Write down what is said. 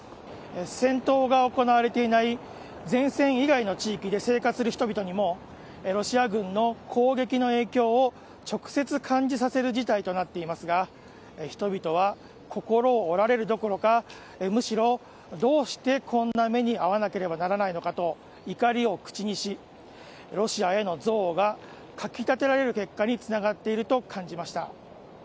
戦闘が行われていない前線以外の地域で生活する人々にもロシア軍の攻撃の影響を直接、感じさせる事態となっていますが人々は心を折られるどころかむしろ、どうしてこんな目に遭わなければならないのかと怒りを口にしロシアへの憎悪がかきたてられる結果につながっていると感じました。